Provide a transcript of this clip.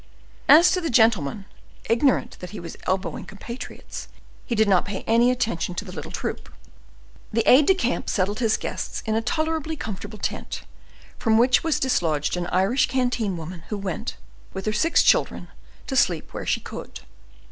As to the gentleman, ignorant that he was elbowing compatriots, he did not pay any attention to the little troop. The aid de camp settled his guests in a tolerably comfortable tent, from which was dislodged an Irish canteen woman, who went, with her six children, to sleep where she could.